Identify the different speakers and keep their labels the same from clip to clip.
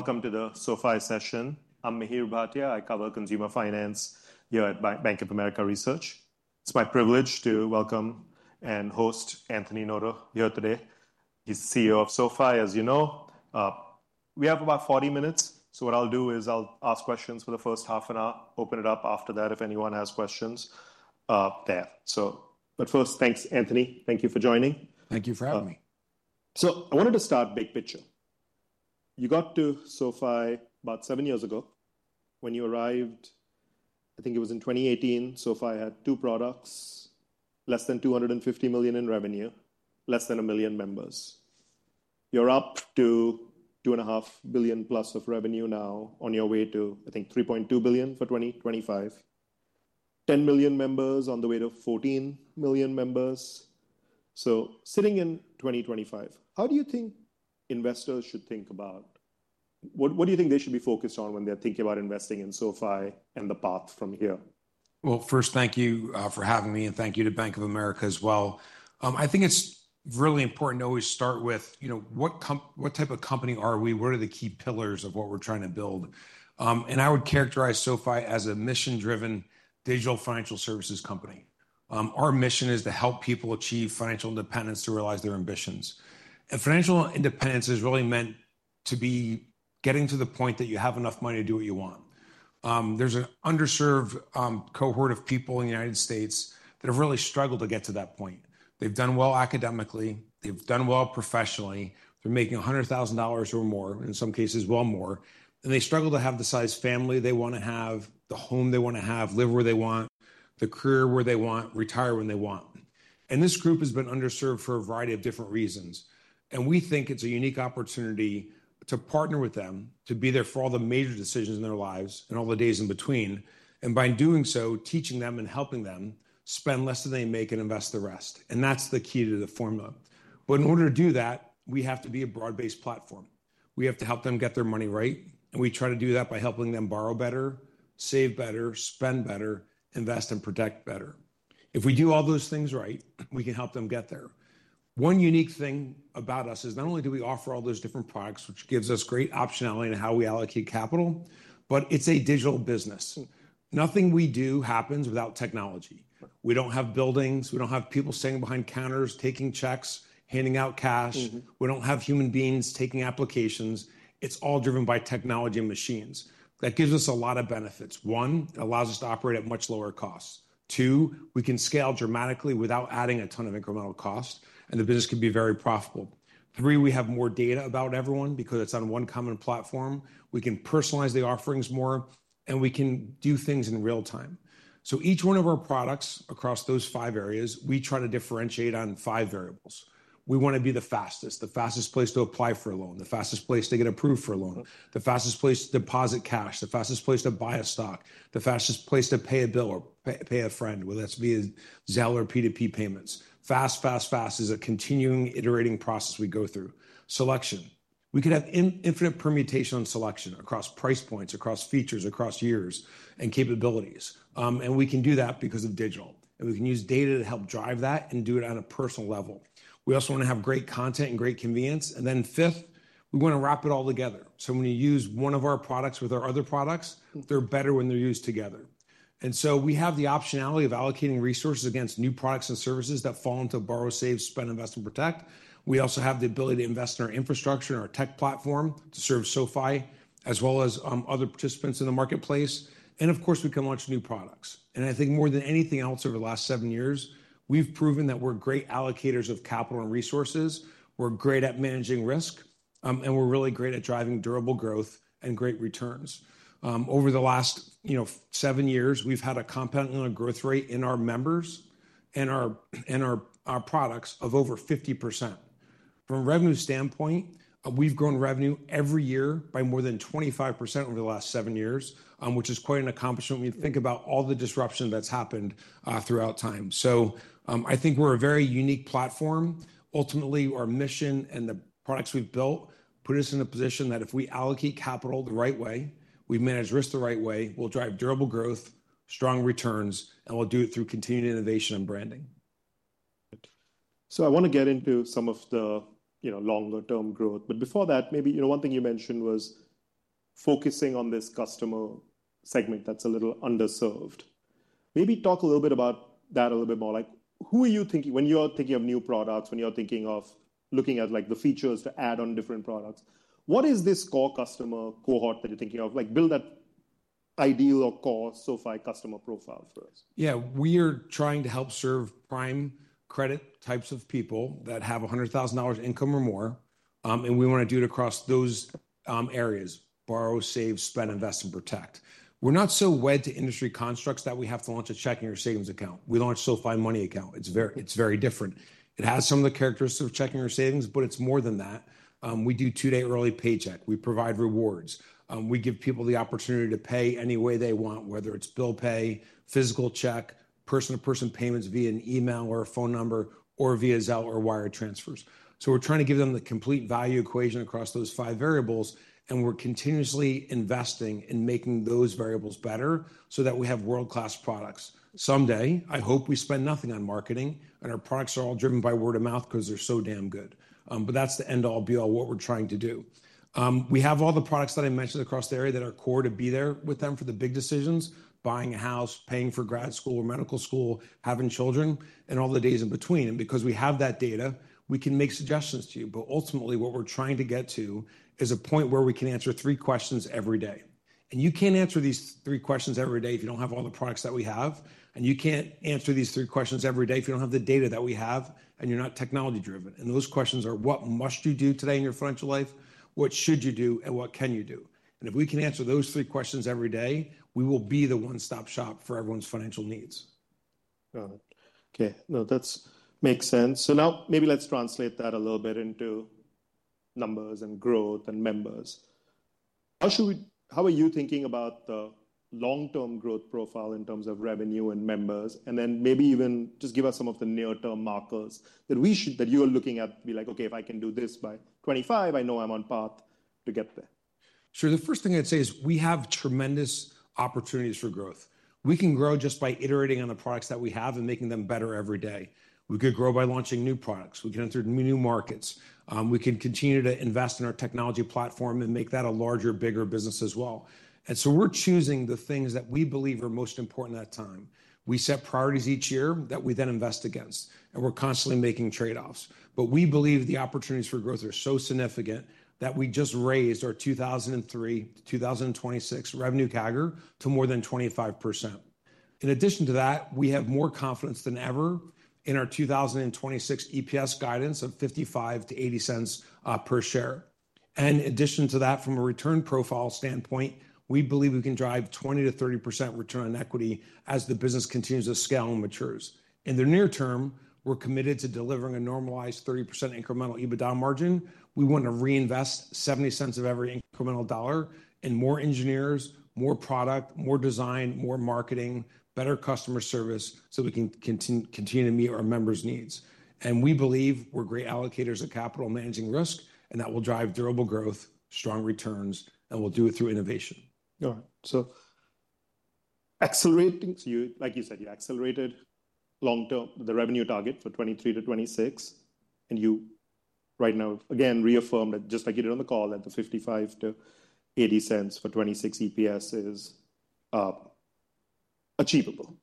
Speaker 1: Welcome to the SoFi session. I'm Mihir Bhatia. I cover consumer finance here at Bank of America Research. It's my privilege to welcome and host Anthony Noto here today. He's the CEO of SoFi, as you know. We have about 40 minutes, so what I'll do is I'll ask questions for the first half an hour, open it up after that if anyone has questions there. But first, thanks, Anthony. Thank you for joining.
Speaker 2: Thank you for having me.
Speaker 1: So I wanted to start big picture. You got to SoFi about seven years ago when you arrived. I think it was in 2018. SoFi had two products, less than $250 million in revenue, less than a million members. You're up to $2.5 billion plus of revenue now, on your way to, I think, $3.2 billion for 2025, 10 million members on the way to 14 million members. So sitting in 2025, how do you think investors should think about? What do you think they should be focused on when they're thinking about investing in SoFi and the path from here?
Speaker 2: First, thank you for having me, and thank you to Bank of America as well. I think it's really important to always start with what type of company are we, what are the key pillars of what we're trying to build, and I would characterize SoFi as a mission-driven digital financial services company. Our mission is to help people achieve financial independence to realize their ambitions, and financial independence is really meant to be getting to the point that you have enough money to do what you want. There's an underserved cohort of people in the United States that have really struggled to get to that point. They've done well academically. They've done well professionally. They're making $100,000 or more, in some cases well more. And they struggle to have the size family they want to have, the home they want to have, live where they want, the career where they want, retire when they want. And this group has been underserved for a variety of different reasons. And we think it's a unique opportunity to partner with them, to be there for all the major decisions in their lives and all the days in between, and by doing so, teaching them and helping them spend less than they make and invest the rest. And that's the key to the formula. But in order to do that, we have to be a broad-based platform. We have to help them get their money right. And we try to do that by helping them borrow better, save better, spend better, invest, and protect better. If we do all those things right, we can help them get there. One unique thing about us is not only do we offer all those different products, which gives us great optionality in how we allocate capital, but it's a digital business. Nothing we do happens without technology. We don't have buildings. We don't have people standing behind counters, taking checks, handing out cash. We don't have human beings taking applications. It's all driven by technology and machines. That gives us a lot of benefits. One, it allows us to operate at much lower costs. Two, we can scale dramatically without adding a ton of incremental cost, and the business can be very profitable. Three, we have more data about everyone because it's on one common platform. We can personalize the offerings more, and we can do things in real time. So each one of our products across those five areas, we try to differentiate on five variables. We want to be the fastest, the fastest place to apply for a loan, the fastest place to get approved for a loan, the fastest place to deposit cash, the fastest place to buy a stock, the fastest place to pay a bill or pay a friend, whether that's via Zelle or P2P payments. Fast, fast, fast is a continuing, iterating process we go through. Selection. We could have infinite permutation on selection across price points, across features, across years, and capabilities, and we can do that because of digital, and we can use data to help drive that and do it on a personal level. We also want to have great content and great convenience, and then fifth, we want to wrap it all together, so when you use one of our products with our other products, they're better when they're used together. And so we have the optionality of allocating resources against new products and services that fall into borrow, save, spend, invest, and protect. We also have the ability to invest in our infrastructure and our tech platform to serve SoFi as well as other participants in the marketplace. And of course, we can launch new products. And I think more than anything else over the last seven years, we've proven that we're great allocators of capital and resources. We're great at managing risk, and we're really great at driving durable growth and great returns. Over the last seven years, we've had a compounding growth rate in our members and our products of over 50%. From a revenue standpoint, we've grown revenue every year by more than 25% over the last seven years, which is quite an accomplishment when you think about all the disruption that's happened throughout time. So I think we're a very unique platform. Ultimately, our mission and the products we've built put us in a position that if we allocate capital the right way, we manage risk the right way, we'll drive durable growth, strong returns, and we'll do it through continued innovation and branding.
Speaker 1: So I want to get into some of the longer-term growth. But before that, maybe one thing you mentioned was focusing on this customer segment that's a little underserved. Maybe talk a little bit about that a little bit more. Who are you thinking when you're thinking of new products, when you're thinking of looking at the features to add on different products? What is this core customer cohort that you're thinking of? Build that ideal or core SoFi customer profile for us.
Speaker 2: Yeah, we are trying to help serve prime credit types of people that have $100,000 income or more. And we want to do it across those areas: borrow, save, spend, invest, and protect. We're not so wed to industry constructs that we have to launch a checking or savings account. We launched a SoFi Money account. It's very different. It has some of the characteristics of checking or savings, but it's more than that. We do two-day early paycheck. We provide rewards. We give people the opportunity to pay any way they want, whether it's bill pay, physical check, person-to-person payments via an email or a phone number, or via Zelle or wire transfers. So we're trying to give them the complete value equation across those five variables. And we're continuously investing in making those variables better so that we have world-class products. Someday, I hope we spend nothing on marketing, and our products are all driven by word of mouth because they're so damn good. But that's the end-all, be-all, what we're trying to do. We have all the products that I mentioned across the area that are core to be there with them for the big decisions: buying a house, paying for grad school or medical school, having children, and all the days in between. And because we have that data, we can make suggestions to you. But ultimately, what we're trying to get to is a point where we can answer three questions every day. And you can't answer these three questions every day if you don't have all the products that we have. And you can't answer these three questions every day if you don't have the data that we have, and you're not technology-driven. Those questions are: What must you do today in your financial life? What should you do? And what can you do? And if we can answer those three questions every day, we will be the one-stop shop for everyone's financial needs.
Speaker 1: Got it. Okay. No, that makes sense. So now maybe let's translate that a little bit into numbers and growth and members. How are you thinking about the long-term growth profile in terms of revenue and members? And then maybe even just give us some of the near-term markers that you are looking at to be like, "Okay, if I can do this by 2025, I know I'm on path to get there.
Speaker 2: Sure. The first thing I'd say is we have tremendous opportunities for growth. We can grow just by iterating on the products that we have and making them better every day. We could grow by launching new products. We can enter new markets. We can continue to invest in our technology platform and make that a larger, bigger business as well. And so we're choosing the things that we believe are most important at a time. We set priorities each year that we then invest against. And we're constantly making trade-offs. But we believe the opportunities for growth are so significant that we just raised our 2023 to 2026 revenue CAGR to more than 25%. In addition to that, we have more confidence than ever in our 2026 EPS guidance of $0.55-$0.80 per share. And in addition to that, from a return profile standpoint, we believe we can drive 20%-30% return on equity as the business continues to scale and matures. In the near term, we're committed to delivering a normalized 30% incremental EBITDA margin. We want to reinvest 70 cents of every incremental dollar in more engineers, more product, more design, more marketing, better customer service so we can continue to meet our members' needs. And we believe we're great allocators of capital managing risk, and that will drive durable growth, strong returns, and we'll do it through innovation.
Speaker 1: All right. So accelerating, like you said, you accelerated long-term the revenue target for 2023 to 2026. And you right now, again, reaffirmed that just like you did on the call, that the $0.55-$0.80 for 2026 EPS is achievable.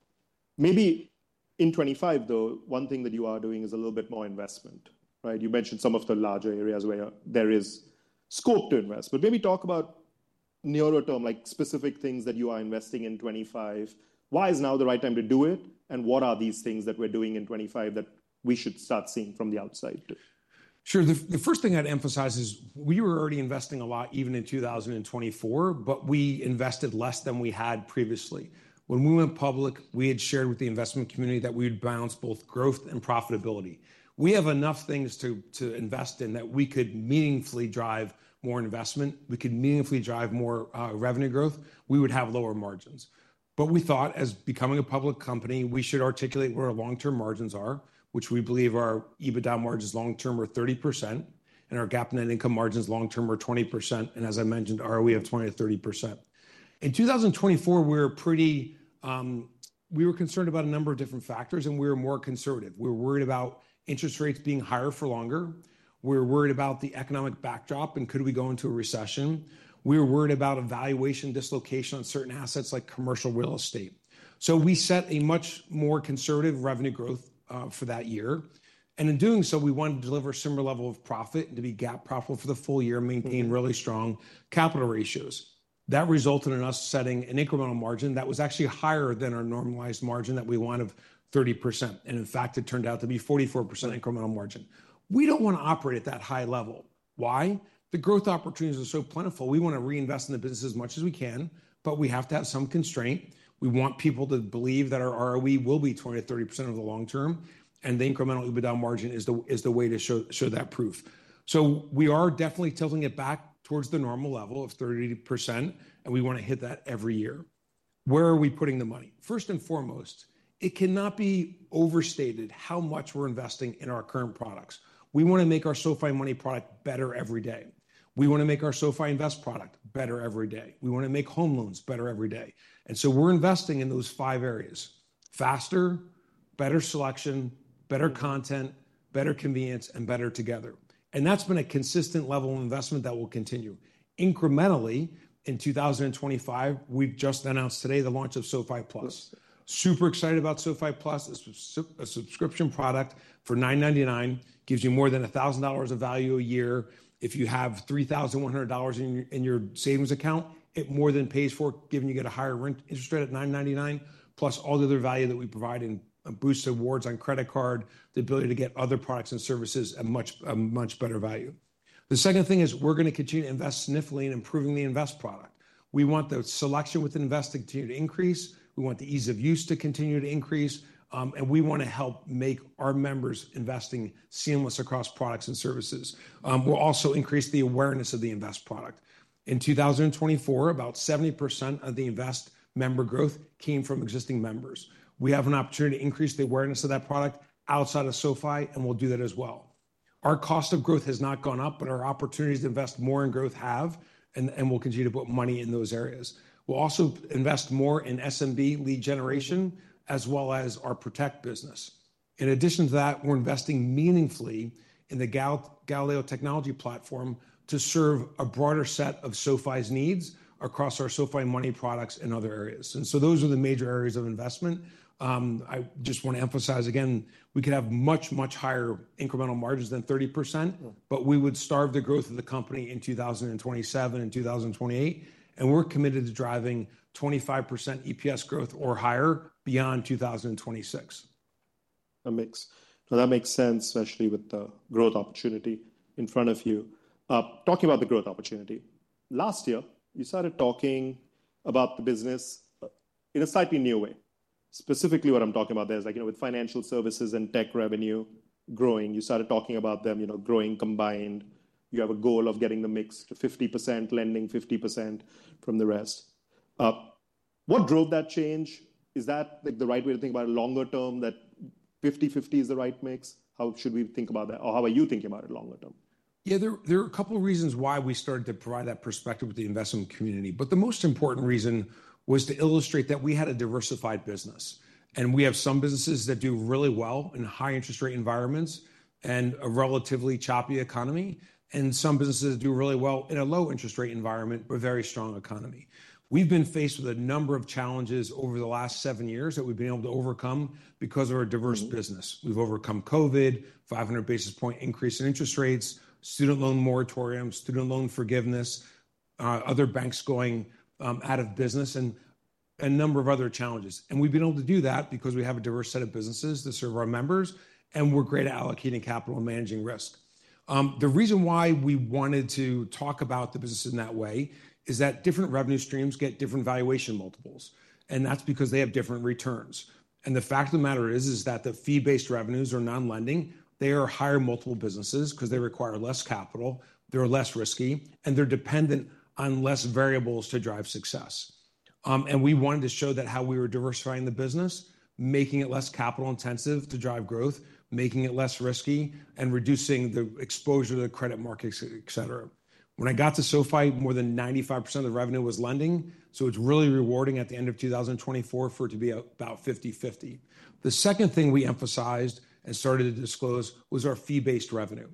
Speaker 1: Maybe in 2025, though, one thing that you are doing is a little bit more investment, right? You mentioned some of the larger areas where there is scope to invest. But maybe talk about nearer-term, like specific things that you are investing in 2025. Why is now the right time to do it? And what are these things that we're doing in 2025 that we should start seeing from the outside?
Speaker 2: Sure. The first thing I'd emphasize is we were already investing a lot even in 2024, but we invested less than we had previously. When we went public, we had shared with the investment community that we would balance both growth and profitability. We have enough things to invest in that we could meaningfully drive more investment. We could meaningfully drive more revenue growth. We would have lower margins. But we thought, as becoming a public company, we should articulate what our long-term margins are, which we believe our EBITDA margins long-term are 30%, and our GAAP net income margins long-term are 20%. And as I mentioned, our ROE is 20%-30%. In 2024, we were concerned about a number of different factors, and we were more conservative. We were worried about interest rates being higher for longer. We were worried about the economic backdrop and could we go into a recession. We were worried about valuation dislocation on certain assets like commercial real estate, so we set a much more conservative revenue growth for that year, and in doing so, we wanted to deliver a similar level of profit and to be GAAP profitable for the full year and maintain really strong capital ratios. That resulted in us setting an incremental margin that was actually higher than our normalized margin that we want of 30%, and in fact, it turned out to be 44% incremental margin. We don't want to operate at that high level. Why? The growth opportunities are so plentiful. We want to reinvest in the business as much as we can, but we have to have some constraint. We want people to believe that our ROE will be 20%-30% over the long term, and the incremental EBITDA margin is the way to show that proof. So we are definitely tilting it back towards the normal level of 30%, and we want to hit that every year. Where are we putting the money? First and foremost, it cannot be overstated how much we're investing in our current products. We want to make our SoFi Money product better every day. We want to make our SoFi Invest product better every day. We want to make home loans better every day. And so we're investing in those five areas: faster, better selection, better content, better convenience, and better together. And that's been a consistent level of investment that will continue. Incrementally, in 2025, we've just announced today the launch of SoFi Plus. Super excited about SoFi Plus. It's a subscription product for $999, gives you more than $1,000 of value a year. If you have $3,100 in your savings account, it more than pays for itself, giving you a higher interest rate at $999, plus all the other value that we provide and boosted rewards on the credit card, the ability to get other products and services at much better value. The second thing is we're going to continue to invest significantly in improving the Invest product. We want the selection with Invest to continue to increase. We want the ease of use to continue to increase. And we want to help make our members' investing seamless across products and services. We'll also increase the awareness of the Invest product. In 2024, about 70% of the Invest member growth came from existing members. We have an opportunity to increase the awareness of that product outside of SoFi, and we'll do that as well. Our cost of growth has not gone up, but our opportunities to invest more in growth have, and we'll continue to put money in those areas. We'll also invest more in SMB lead generation as well as our Protect business. In addition to that, we're investing meaningfully in the Galileo technology platform to serve a broader set of SoFi's needs across our SoFi Money products and other areas. And so those are the major areas of investment. I just want to emphasize again, we could have much, much higher incremental margins than 30%, but we would starve the growth of the company in 2027 and 2028. And we're committed to driving 25% EPS growth or higher beyond 2026.
Speaker 1: That makes sense, especially with the growth opportunity in front of you. Talking about the growth opportunity, last year, you started talking about the business in a slightly new way. Specifically, what I'm talking about there is with financial services and tech revenue growing. You started talking about them growing combined. You have a goal of getting the mix to 50%, lending 50% from the rest. What drove that change? Is that the right way to think about it longer term, that 50/50 is the right mix? How should we think about that? Or how are you thinking about it longer term?
Speaker 2: Yeah, there are a couple of reasons why we started to provide that perspective with the investment community. But the most important reason was to illustrate that we had a diversified business. And we have some businesses that do really well in high interest rate environments and a relatively choppy economy. And some businesses do really well in a low interest rate environment but very strong economy. We've been faced with a number of challenges over the last seven years that we've been able to overcome because of our diverse business. We've overcome COVID, 500 basis points increase in interest rates, student loan moratoriums, student loan forgiveness, other banks going out of business, and a number of other challenges. And we've been able to do that because we have a diverse set of businesses to serve our members. And we're great at allocating capital and managing risk. The reason why we wanted to talk about the business in that way is that different revenue streams get different valuation multiples, and that's because they have different returns, and the fact of the matter is that the fee-based revenues are non-lending. They are higher multiple businesses because they require less capital. They're less risky, and they're dependent on less variables to drive success, and we wanted to show that how we were diversifying the business, making it less capital intensive to drive growth, making it less risky, and reducing the exposure to the credit markets, etc. When I got to SoFi, more than 95% of the revenue was lending, so it's really rewarding at the end of 2024 for it to be about 50/50. The second thing we emphasized and started to disclose was our fee-based revenue,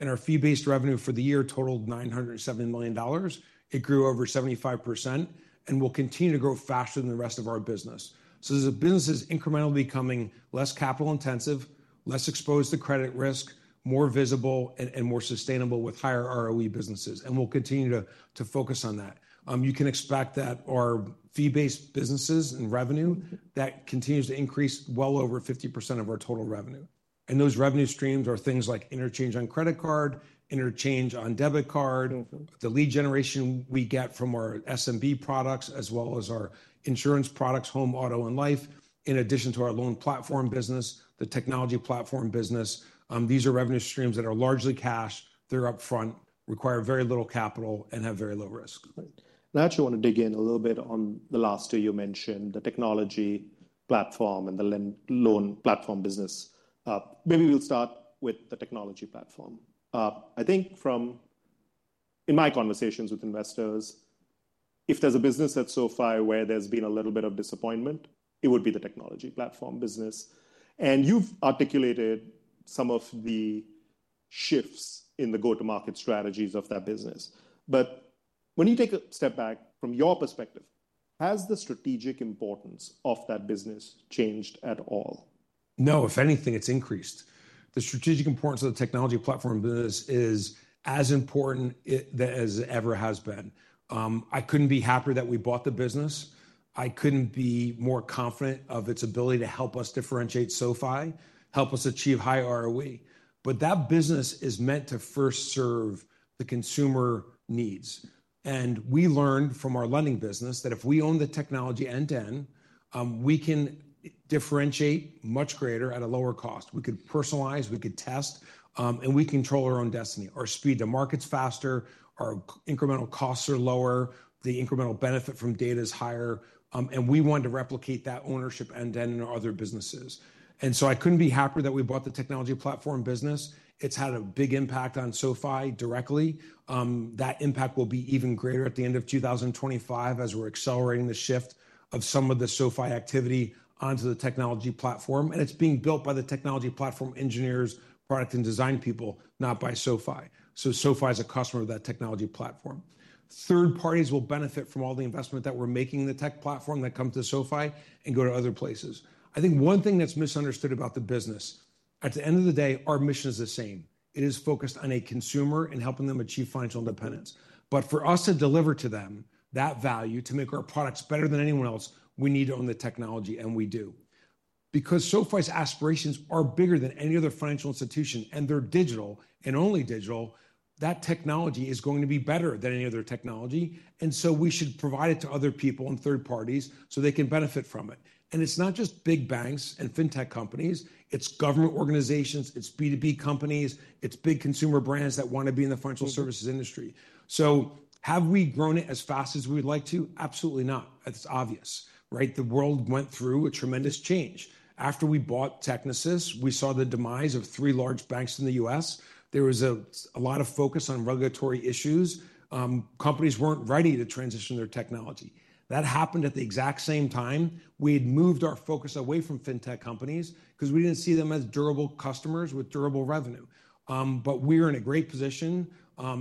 Speaker 2: and our fee-based revenue for the year totaled $970 million. It grew over 75% and will continue to grow faster than the rest of our business. As the business is incrementally becoming less capital intensive, less exposed to credit risk, more visible, and more sustainable with higher ROE businesses, we'll continue to focus on that. You can expect that our fee-based businesses and revenue that continues to increase well over 50% of our total revenue. And those revenue streams are things like interchange on credit card, interchange on debit card, the lead generation we get from our SMB products, as well as our insurance products, home auto, and life, in addition to our loan platform business, the technology platform business. These are revenue streams that are largely cash. They're upfront, require very little capital, and have very low risk.
Speaker 1: Now, I actually want to dig in a little bit on the last two you mentioned, the technology platform and the loan platform business. Maybe we'll start with the technology platform. I think from my conversations with investors, if there's a business at SoFi where there's been a little bit of disappointment, it would be the technology platform business. And you've articulated some of the shifts in the go-to-market strategies of that business. But when you take a step back from your perspective, has the strategic importance of that business changed at all?
Speaker 2: No, if anything, it's increased. The strategic importance of the technology platform business is as important as it ever has been. I couldn't be happier that we bought the business. I couldn't be more confident of its ability to help us differentiate SoFi, help us achieve high ROE. But that business is meant to first serve the consumer needs, and we learned from our lending business that if we own the technology end-to-end, we can differentiate much greater at a lower cost. We could personalize, we could test, and we control our own destiny. Our speed to market's faster, our incremental costs are lower, the incremental benefit from data is higher, and we want to replicate that ownership end-to-end in our other businesses, and so I couldn't be happier that we bought the technology platform business. It's had a big impact on SoFi directly. That impact will be even greater at the end of 2025 as we're accelerating the shift of some of the SoFi activity onto the technology platform, and it's being built by the technology platform engineers, product, and design people, not by SoFi, so SoFi is a customer of that technology platform. Third parties will benefit from all the investment that we're making in the tech platform that comes to SoFi and go to other places. I think one thing that's misunderstood about the business, at the end of the day, our mission is the same. It is focused on a consumer and helping them achieve financial independence, but for us to deliver to them that value, to make our products better than anyone else, we need to own the technology, and we do. Because SoFi's aspirations are bigger than any other financial institution, and they're digital and only digital, that technology is going to be better than any other technology. And so we should provide it to other people and third parties so they can benefit from it. And it's not just big banks and fintech companies. It's government organizations. It's B2B companies. It's big consumer brands that want to be in the financial services industry. So have we grown it as fast as we'd like to? Absolutely not. It's obvious, right? The world went through a tremendous change. After we bought Technisys, we saw the demise of three large banks in the U.S. There was a lot of focus on regulatory issues. Companies weren't ready to transition their technology. That happened at the exact same time. We had moved our focus away from fintech companies because we didn't see them as durable customers with durable revenue, but we are in a great position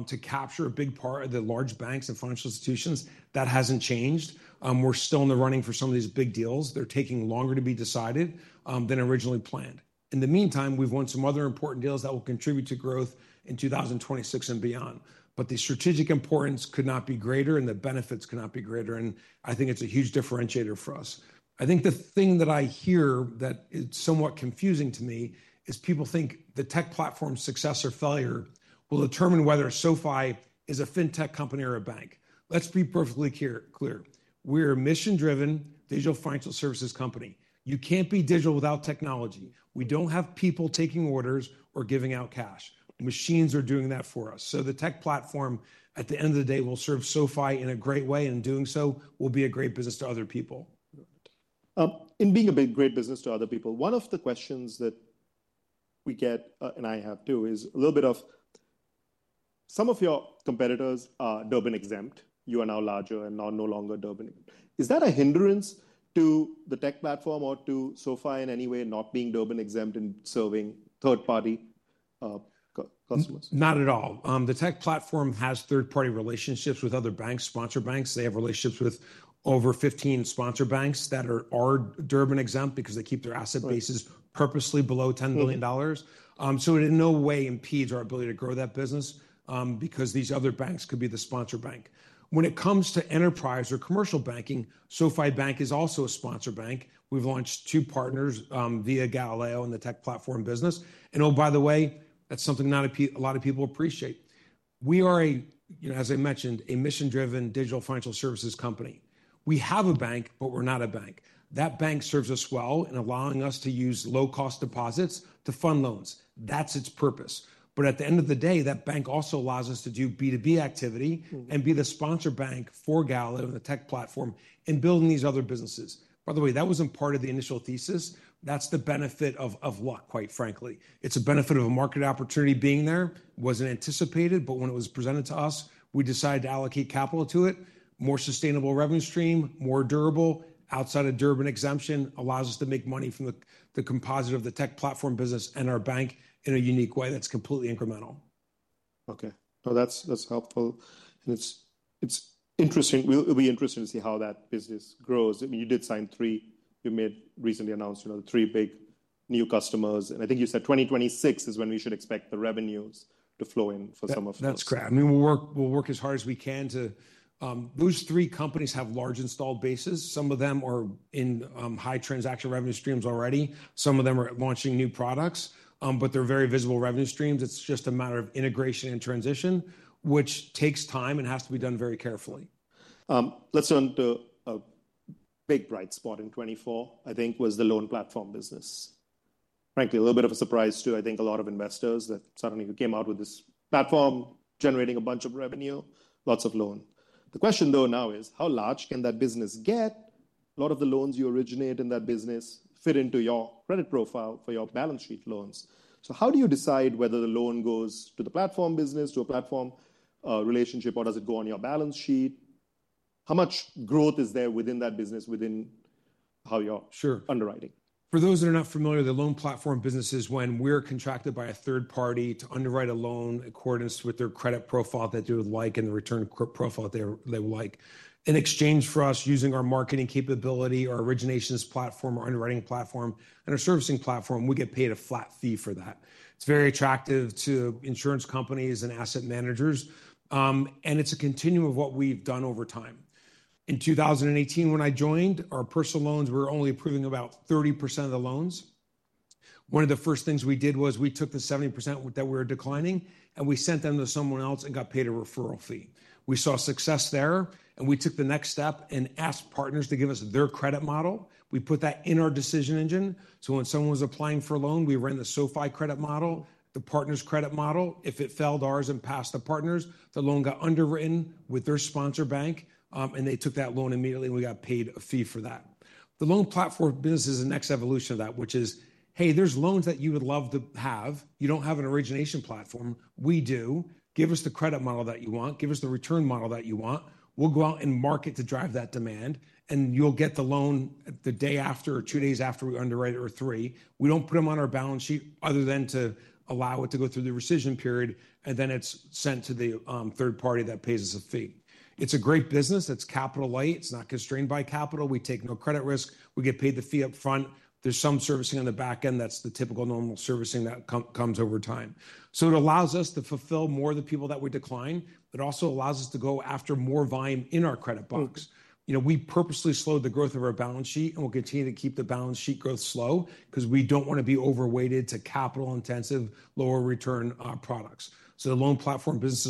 Speaker 2: to capture a big part of the large banks and financial institutions. That hasn't changed. We're still in the running for some of these big deals. They're taking longer to be decided than originally planned. In the meantime, we've won some other important deals that will contribute to growth in 2026 and beyond, but the strategic importance could not be greater, and the benefits could not be greater, and I think it's a huge differentiator for us. I think the thing that I hear that is somewhat confusing to me is people think the tech platform's success or failure will determine whether SoFi is a fintech company or a bank. Let's be perfectly clear. We're a mission-driven digital financial services company. You can't be digital without technology. We don't have people taking orders or giving out cash. Machines are doing that for us. So the tech platform, at the end of the day, will serve SoFi in a great way, and in doing so, will be a great business to other people.
Speaker 1: In being a great business to other people, one of the questions that we get and I have too is a little bit of some of your competitors are Durbin-exempt. You are now larger and are no longer Durbin. Is that a hindrance to the tech platform or to SoFi in any way not being Durbin-exempt and serving third-party customers?
Speaker 2: Not at all. The tech platform has third-party relationships with other banks, sponsor banks. They have relationships with over 15 sponsor banks that are Durbin-exempt because they keep their asset bases purposely below $10 billion. So it in no way impedes our ability to grow that business because these other banks could be the sponsor bank. When it comes to enterprise or commercial banking, SoFi Bank is also a sponsor bank. We've launched two partners via Galileo in the tech platform business. And oh, by the way, that's something not a lot of people appreciate. We are, as I mentioned, a mission-driven digital financial services company. We have a bank, but we're not a bank. That bank serves us well in allowing us to use low-cost deposits to fund loans. That's its purpose. But at the end of the day, that bank also allows us to do B2B activity and be the sponsor bank for Galileo and the tech platform in building these other businesses. By the way, that wasn't part of the initial thesis. That's the benefit of luck, quite frankly. It's a benefit of a market opportunity being there. It wasn't anticipated, but when it was presented to us, we decided to allocate capital to it. More sustainable revenue stream, more durable, outside of Durbin exemption allows us to make money from the composite of the tech platform business and our bank in a unique way that's completely incremental.
Speaker 1: Okay. No, that's helpful, and it's interesting. It'll be interesting to see how that business grows. I mean, you did sign three. You recently announced the three big new customers, and I think you said 2026 is when we should expect the revenues to flow in for some of those.
Speaker 2: That's correct. I mean, we'll work as hard as we can to boost three companies that have large installed bases. Some of them are in high transaction revenue streams already. Some of them are launching new products, but they're very visible revenue streams. It's just a matter of integration and transition, which takes time and has to be done very carefully.
Speaker 1: Let's turn to a big bright spot in 2024, I think, was the Loan Platform Business. Frankly, a little bit of a surprise to, I think, a lot of investors that suddenly you came out with this platform generating a bunch of revenue, lots of loan. The question, though, now is how large can that business get? A lot of the loans you originate in that business fit into your credit profile for your balance sheet loans. So how do you decide whether the loan goes to the platform business, to a platform relationship, or does it go on your balance sheet? How much growth is there within that business, within how you're underwriting?
Speaker 2: For those that are not familiar, the loan platform business is when we're contracted by a third party to underwrite a loan in accordance with their credit profile that they would like and the return profile that they would like. In exchange for us, using our marketing capability, our originations platform, our underwriting platform, and our servicing platform, we get paid a flat fee for that. It's very attractive to insurance companies and asset managers. And it's a continuum of what we've done over time. In 2018, when I joined, our personal loans, we were only approving about 30% of the loans. One of the first things we did was we took the 70% that we were declining, and we sent them to someone else and got paid a referral fee. We saw success there, and we took the next step and asked partners to give us their credit model. We put that in our decision engine so when someone was applying for a loan, we ran the SoFi credit model, the partners' credit model. If it failed ours and passed the partners, the loan got underwritten with their sponsor bank, and they took that loan immediately, and we got paid a fee for that. The loan platform business is the next evolution of that, which is, hey, there's loans that you would love to have. You don't have an origination platform. We do. Give us the credit model that you want. Give us the return model that you want. We'll go out and market to drive that demand, and you'll get the loan the day after, or two days after we underwrite it, or three. We don't put them on our balance sheet other than to allow it to go through the rescission period, and then it's sent to the third party that pays us a fee. It's a great business. It's capital light. It's not constrained by capital. We take no credit risk. We get paid the fee upfront. There's some servicing on the back end. That's the typical normal servicing that comes over time. So it allows us to fulfill more of the people that we decline. It also allows us to go after more volume in our credit books. We purposely slowed the growth of our balance sheet, and we'll continue to keep the balance sheet growth slow because we don't want to be overweighted to capital-intensive, lower-return products. So the loan platform business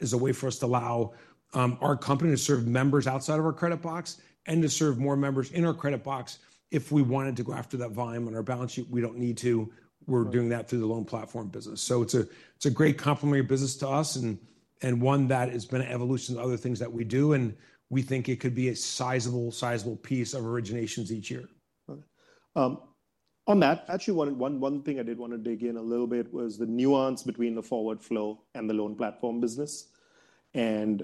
Speaker 2: is a way for us to allow our company to serve members outside of our credit box and to serve more members in our credit box if we wanted to go after that volume on our balance sheet. We don't need to. We're doing that through the loan platform business. So it's a great complementary business to us and one that has been an evolution of other things that we do. And we think it could be a sizable, sizable piece of originations each year.
Speaker 1: On that, actually, one thing I did want to dig in a little bit was the nuance between the forward flow and the loan platform business and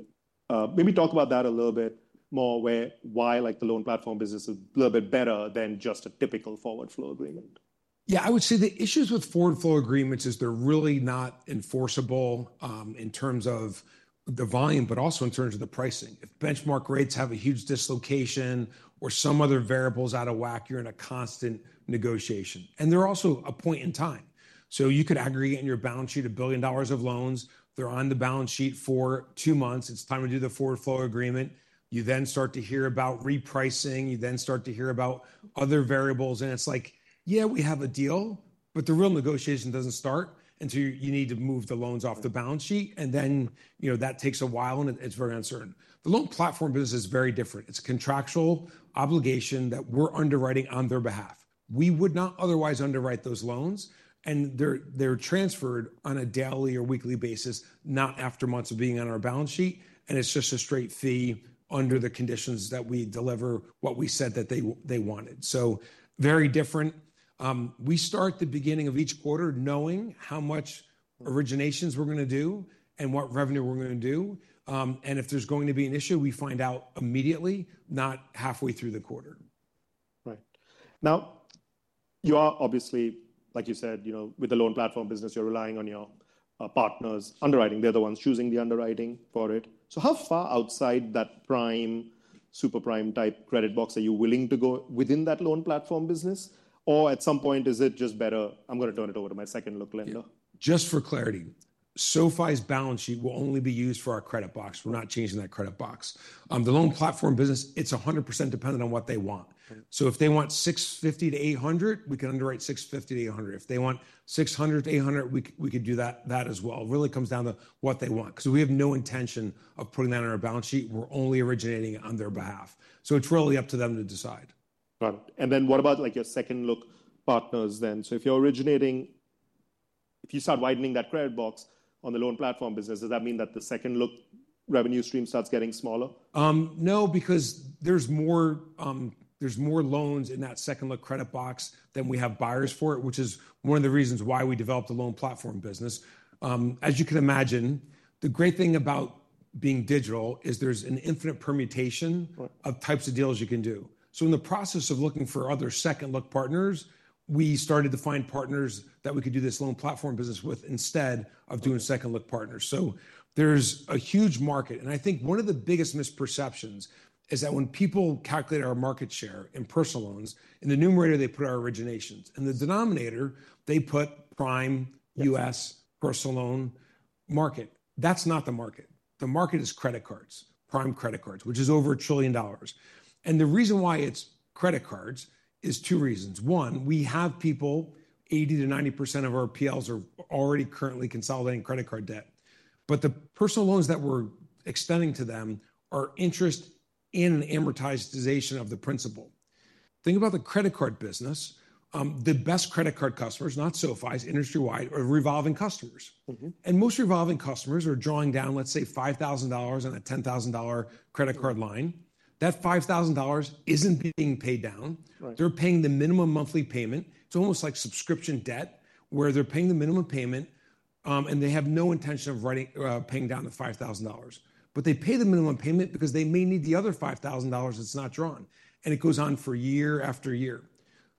Speaker 1: maybe talk about that a little bit more, why the loan platform business is a little bit better than just a typical forward flow agreement.
Speaker 2: Yeah, I would say the issues with forward flow agreements is they're really not enforceable in terms of the volume, but also in terms of the pricing. If benchmark rates have a huge dislocation or some other variables out of whack, you're in a constant negotiation. And they're also a point in time. So you could aggregate in your balance sheet $1 billion of loans. They're on the balance sheet for two months. It's time to do the forward flow agreement. You then start to hear about repricing. You then start to hear about other variables. And it's like, yeah, we have a deal, but the real negotiation doesn't start. And so you need to move the loans off the balance sheet. And then that takes a while, and it's very uncertain. The loan platform business is very different. It's a contractual obligation that we're underwriting on their behalf. We would not otherwise underwrite those loans, and they're transferred on a daily or weekly basis, not after months of being on our balance sheet, and it's just a straight fee under the conditions that we deliver what we said that they wanted, so very different. We start the beginning of each quarter knowing how much originations we're going to do and what revenue we're going to do, and if there's going to be an issue, we find out immediately, not halfway through the quarter.
Speaker 1: Right. Now, you are obviously, like you said, with the loan platform business, you're relying on your partners underwriting. They're the ones choosing the underwriting for it. So how far outside that prime, super prime type credit box are you willing to go within that loan platform business? Or at some point, is it just better, "I'm going to turn it over to my second look lender"?
Speaker 2: Just for clarity, SoFi's balance sheet will only be used for our credit box. We're not changing that credit box. The loan platform business, it's 100% dependent on what they want. So if they want 650-800, we can underwrite 650-800. If they want 600-800, we could do that as well. It really comes down to what they want. So we have no intention of putting that on our balance sheet. We're only originating on their behalf. So it's really up to them to decide.
Speaker 1: Got it. And then what about your second look partners then? So if you're originating, if you start widening that credit box on the loan platform business, does that mean that the second look revenue stream starts getting smaller?
Speaker 2: No, because there's more loans in that second look credit box than we have buyers for it, which is one of the reasons why we developed the loan platform business. As you can imagine, the great thing about being digital is there's an infinite permutation of types of deals you can do. So in the process of looking for other second look partners, we started to find partners that we could do this loan platform business with instead of doing second look partners. So there's a huge market. And I think one of the biggest misperceptions is that when people calculate our market share in personal loans, in the numerator, they put our originations. In the denominator, they put prime, U.S., personal loan market. That's not the market. The market is credit cards, prime credit cards, which is over $1 trillion. The reason why it's credit cards is two reasons. One, we have people, 80%-90% of our PLs are already currently consolidating credit card debt. But the personal loans that we're extending to them are interest and amortization of the principal. Think about the credit card business. The best credit card customers, not SoFi's, industry-wide are revolving customers. And most revolving customers are drawing down, let's say, $5,000 on a $10,000 credit card line. That $5,000 isn't being paid down. They're paying the minimum monthly payment. It's almost like subscription debt where they're paying the minimum payment, and they have no intention of paying down the $5,000. But they pay the minimum payment because they may need the other $5,000 that's not drawn. And it goes on for year after year.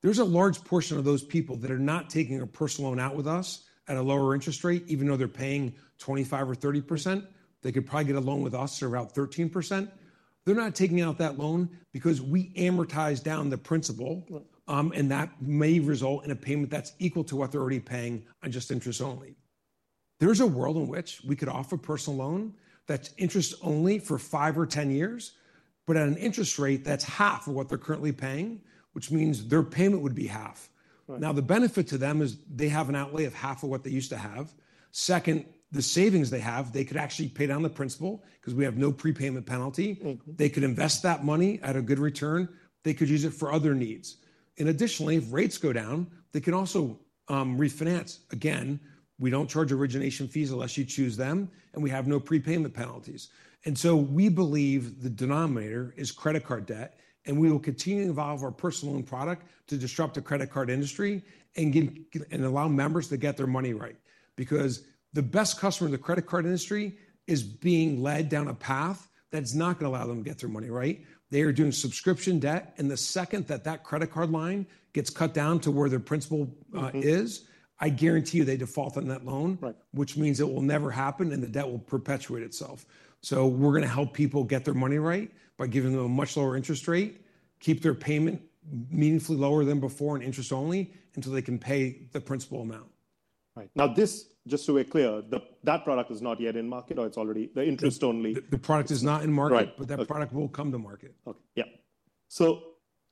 Speaker 2: There's a large portion of those people that are not taking a personal loan out with us at a lower interest rate, even though they're paying 25% or 30%. They could probably get a loan with us at about 13%. They're not taking out that loan because we amortize down the principal, and that may result in a payment that's equal to what they're already paying on just interest only. There's a world in which we could offer a personal loan that's interest only for five or 10 years, but at an interest rate that's half of what they're currently paying, which means their payment would be half. Now, the benefit to them is they have an outlay of half of what they used to have. Second, the savings they have, they could actually pay down the principal because we have no prepayment penalty. They could invest that money at a good return. They could use it for other needs. And additionally, if rates go down, they can also refinance. Again, we don't charge origination fees unless you choose them, and we have no prepayment penalties. And so we believe the denominator is credit card debt, and we will continue to evolve our personal loan product to disrupt the credit card industry and allow members to get their money right. Because the best customer in the credit card industry is being led down a path that's not going to allow them to get their money right. They are doing subscription debt, and the second that that credit card line gets cut down to where their principal is, I guarantee you they default on that loan, which means it will never happen, and the debt will perpetuate itself. We're going to help people get their money right by giving them a much lower interest rate, keep their payment meaningfully lower than before and interest only until they can pay the principal amount.
Speaker 1: Right. Now, this, just so we're clear, that product is not yet in market, or it's already the interest only?
Speaker 2: The product is not in market, but that product will come to market.
Speaker 1: Okay. Yeah.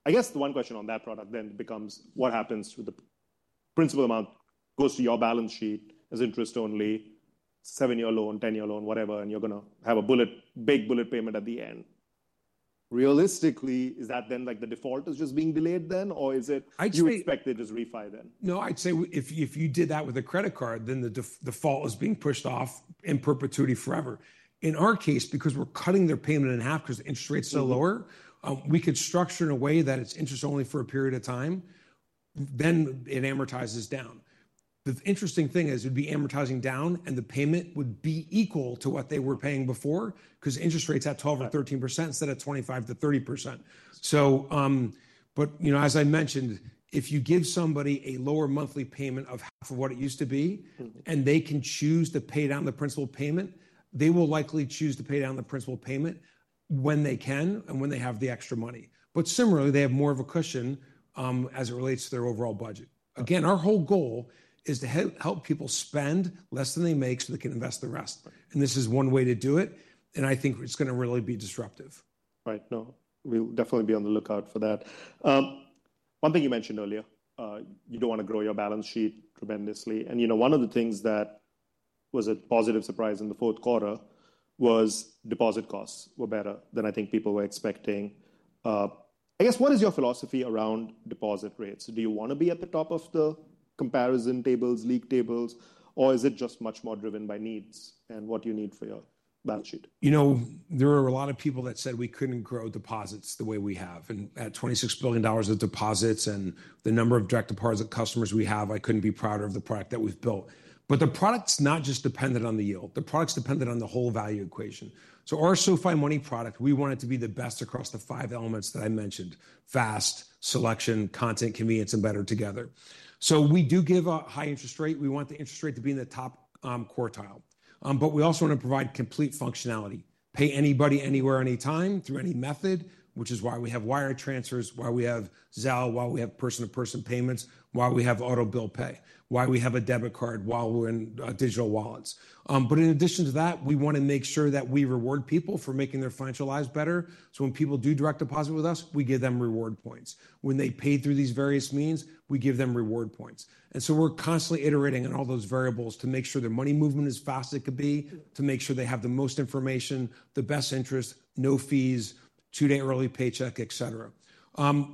Speaker 1: I guess the one question on that product then becomes what happens with the principal amount goes to your balance sheet as interest only, 7-year loan, 10-year loan, whatever, and you're going to have a big bullet payment at the end. Realistically, is that then like the default is just being delayed then, or is it you expect they just refile then?
Speaker 2: No, I'd say if you did that with a credit card, then the default is being pushed off in perpetuity forever. In our case, because we're cutting their payment in half because the interest rate's so lower, we could structure in a way that it's interest only for a period of time, then it amortizes down. The interesting thing is it'd be amortizing down, and the payment would be equal to what they were paying before because interest rates are 12% or 13% instead of 25%-30%. But as I mentioned, if you give somebody a lower monthly payment of half of what it used to be, and they can choose to pay down the principal payment, they will likely choose to pay down the principal payment when they can and when they have the extra money. But similarly, they have more of a cushion as it relates to their overall budget. Again, our whole goal is to help people spend less than they make so they can invest the rest. And this is one way to do it. And I think it's going to really be disruptive.
Speaker 1: Right. No, we'll definitely be on the lookout for that. One thing you mentioned earlier, you don't want to grow your balance sheet tremendously, and one of the things that was a positive surprise in the fourth quarter was deposit costs were better than I think people were expecting. I guess what is your philosophy around deposit rates? Do you want to be at the top of the comparison tables, league tables, or is it just much more driven by needs and what you need for your balance sheet?
Speaker 2: You know, there are a lot of people that said we couldn't grow deposits the way we have, and at $26 billion of deposits and the number of direct deposit customers we have, I couldn't be prouder of the product that we've built, but the product's not just dependent on the yield. The product's dependent on the whole value equation, so our SoFi Money product, we want it to be the best across the five elements that I mentioned: fast, selection, content, convenience, and better together, so we do give a high interest rate. We want the interest rate to be in the top quartile. But we also want to provide complete functionality: pay anybody, anywhere, anytime, through any method, which is why we have wire transfers, why we have Zelle, why we have person-to-person payments, why we have auto bill pay, why we have a debit card, why we're in digital wallets. But in addition to that, we want to make sure that we reward people for making their financial lives better. So when people do direct deposit with us, we give them reward points. When they pay through these various means, we give them reward points. And so we're constantly iterating on all those variables to make sure their money movement is fast as it could be, to make sure they have the most information, the best interest, no fees, two-day early paycheck, etc.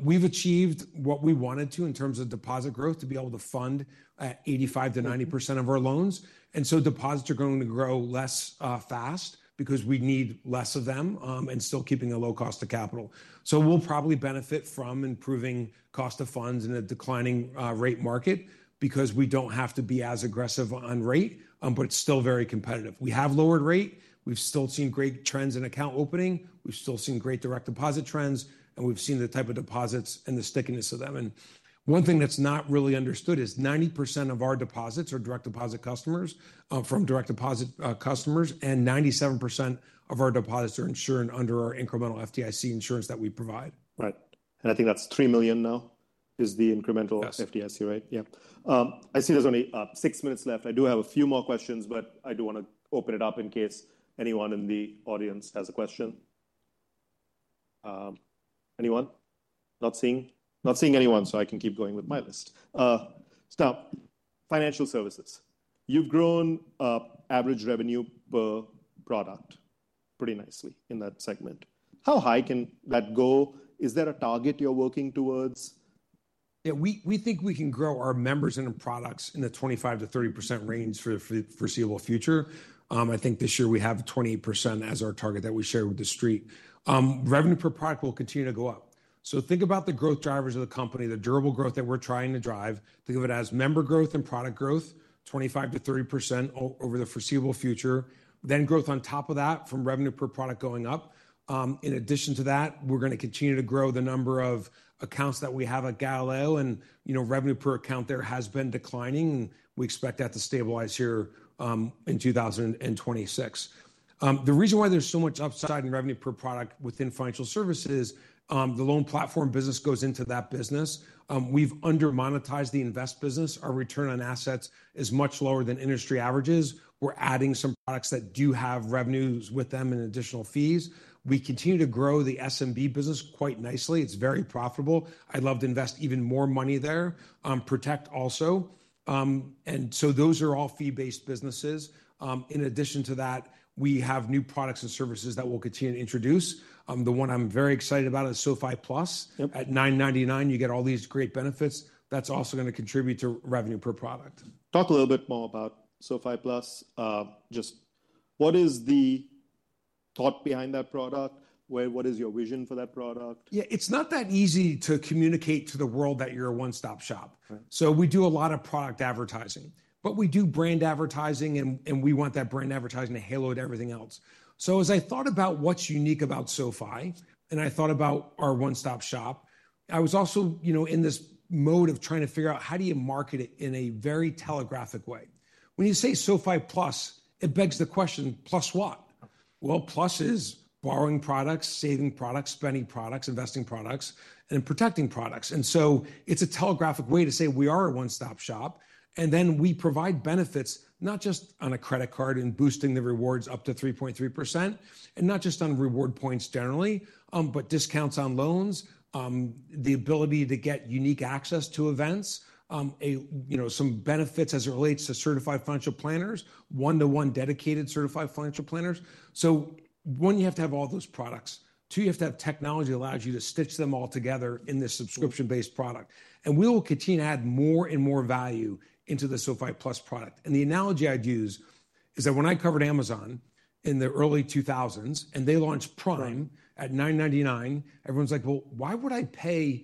Speaker 2: We've achieved what we wanted to in terms of deposit growth to be able to fund 85%-90% of our loans, and so deposits are going to grow less fast because we need less of them and still keeping a low cost of capital, so we'll probably benefit from improving cost of funds in a declining rate market because we don't have to be as aggressive on rate, but it's still very competitive. We have lowered rate. We've still seen great trends in account opening. We've still seen great direct deposit trends, and we've seen the type of deposits and the stickiness of them, and one thing that's not really understood is 90% of our deposits are direct deposit customers from direct deposit customers, and 97% of our deposits are insured under our incremental FDIC insurance that we provide.
Speaker 1: Right. And I think that's three million now is the incremental FDIC, right? Yeah. I see there's only six minutes left. I do have a few more questions, but I do want to open it up in case anyone in the audience has a question. Anyone? Not seeing anyone, so I can keep going with my list. So financial services, you've grown average revenue per product pretty nicely in that segment. How high can that go? Is there a target you're working towards?
Speaker 2: Yeah, we think we can grow our members and products in the 25%-30% range for the foreseeable future. I think this year we have 28% as our target that we share with the street. Revenue per product will continue to go up, so think about the growth drivers of the company, the durable growth that we're trying to drive. Think of it as member growth and product growth, 25%-30% over the foreseeable future, then growth on top of that from revenue per product going up. In addition to that, we're going to continue to grow the number of accounts that we have at Galileo, and revenue per account there has been declining, and we expect that to stabilize here in 2026. The reason why there's so much upside in revenue per product within financial services, the loan platform business goes into that business. We've undermonetized the Invest business. Our return on assets is much lower than industry averages. We're adding some products that do have revenues with them and additional fees. We continue to grow the SMB business quite nicely. It's very profitable. I'd love to invest even more money there, protect also. So those are all fee-based businesses. In addition to that, we have new products and services that we'll continue to introduce. The one I'm very excited about is SoFi Plus at $9.99. You get all these great benefits. That's also going to contribute to revenue per product.
Speaker 1: Talk a little bit more about SoFi Plus. Just what is the thought behind that product? What is your vision for that product?
Speaker 2: Yeah, it's not that easy to communicate to the world that you're a one-stop shop. So we do a lot of product advertising, but we do brand advertising, and we want that brand advertising to halo to everything else. So as I thought about what's unique about SoFi, and I thought about our one-stop shop, I was also in this mode of trying to figure out how do you market it in a very telegraphic way. When you say SoFi Plus, it begs the question, plus what? Well, plus is borrowing products, saving products, spending products, investing products, and then protecting products. And so it's a telegraphic way to say we are a one-stop shop. And then we provide benefits not just on a credit card and boosting the rewards up to 3.3%, and not just on reward points generally, but discounts on loans, the ability to get unique access to events, some benefits as it relates to certified financial planners, one-to-one dedicated certified financial planners. So one, you have to have all those products. Two, you have to have technology that allows you to stitch them all together in this subscription-based product. And we will continue to add more and more value into the SoFi Plus product. And the analogy I'd use is that when I covered Amazon in the early 2000s and they launched Prime at $9.99, everyone's like, well, why would I pay,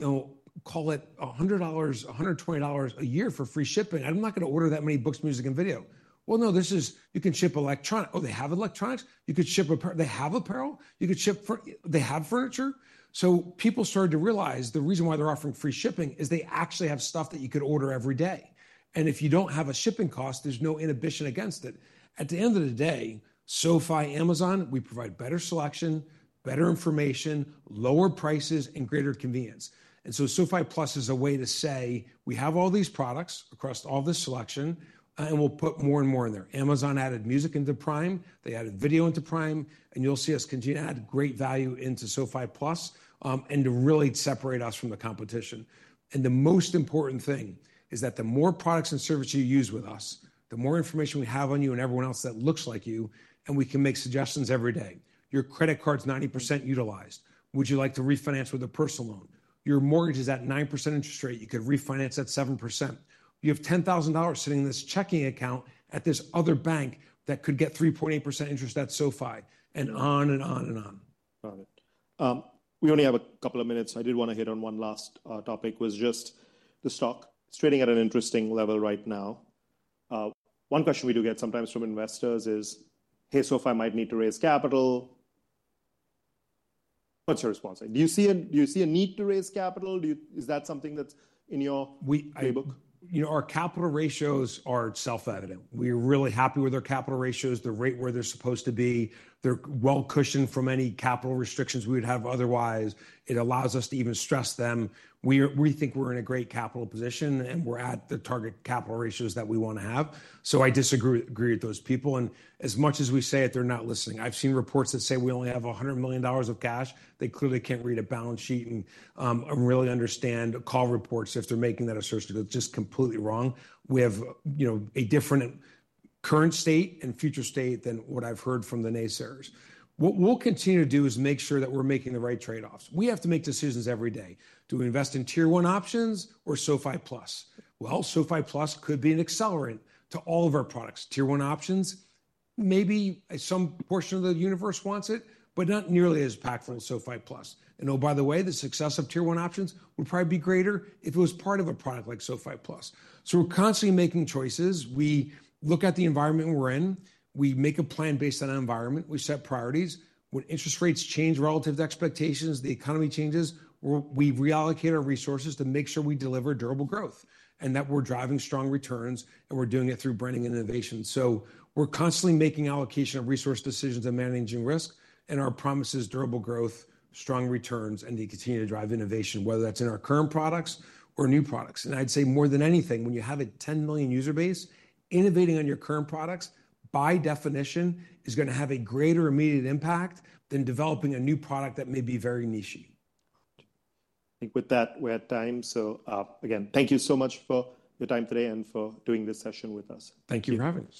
Speaker 2: call it $100-$120 a year for free shipping? I'm not going to order that many books, music, and video. Well, no, this is you can ship electronics. Oh, they have electronics. You could ship apparel. They have apparel. You could ship. They have furniture. So people started to realize the reason why they're offering free shipping is they actually have stuff that you could order every day. And if you don't have a shipping cost, there's no inhibition against it. At the end of the day, SoFi, Amazon, we provide better selection, better information, lower prices, and greater convenience. And so SoFi Plus is a way to say we have all these products across all this selection, and we'll put more and more in there. Amazon added music into Prime. They added video into Prime, and you'll see us continue to add great value into SoFi Plus and to really separate us from the competition. The most important thing is that the more products and services you use with us, the more information we have on you and everyone else that looks like you, and we can make suggestions every day. Your credit card's 90% utilized. Would you like to refinance with a personal loan? Your mortgage is at 9% interest rate. You could refinance at 7%. You have $10,000 sitting in this checking account at this other bank that could get 3.8% interest at SoFi and on and on and on.
Speaker 1: Got it. We only have a couple of minutes. I did want to hit on one last topic was just the stock. It's trading at an interesting level right now. One question we do get sometimes from investors is, hey, SoFi might need to raise capital. What's your response? Do you see a need to raise capital? Is that something that's in your playbook?
Speaker 2: Our capital ratios are self-evident. We're really happy with our capital ratios, the rate where they're supposed to be. They're well-cushioned from any capital restrictions we would have otherwise. It allows us to even stress them. We think we're in a great capital position, and we're at the target capital ratios that we want to have, so I disagree with those people, and as much as we say it, they're not listening. I've seen reports that say we only have $100 million of cash. They clearly can't read a balance sheet and really understand call reports if they're making that assertion because it's just completely wrong. We have a different current state and future state than what I've heard from the naysayers. What we'll continue to do is make sure that we're making the right trade-offs. We have to make decisions every day. Do we invest in Tier one options or SoFi Plus? SoFi Plus could be an accelerant to all of our products. Tier one options, maybe some portion of the universe wants it, but not nearly as impactful as SoFi Plus. Oh, by the way, the success of Tier one options would probably be greater if it was part of a product like SoFi Plus. We're constantly making choices. We look at the environment we're in. We make a plan based on our environment. We set priorities. When interest rates change relative to expectations, the economy changes, we reallocate our resources to make sure we deliver durable growth and that we're driving strong returns and we're doing it through branding and innovation. We're constantly making allocation of resource decisions and managing risk and our promises, durable growth, strong returns, and to continue to drive innovation, whether that's in our current products or new products. I'd say more than anything, when you have a 10 million user base, innovating on your current products by definition is going to have a greater immediate impact than developing a new product that may be very niche.
Speaker 1: I think with that, we're at time. So again, thank you so much for your time today and for doing this session with us.
Speaker 2: Thank you for having us.